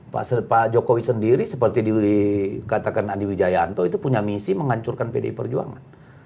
pak jokowi sendiri seperti dikatakan andi wijayanto itu punya misi menghancurkan pdi perjuangan